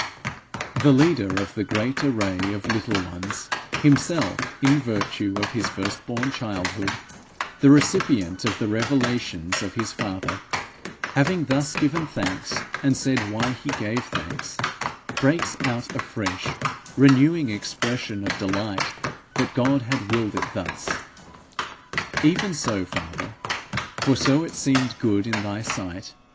The leader of the great array of little ones, himself, in virtue of his firstborn childhood, the first recipient of the revelations of his father, having thus given thanks, and said why he gave thanks, breaks out afresh, renewing expression of delight that God had willed it thus: 'Even so, father, for so it seemed good in thy sight!'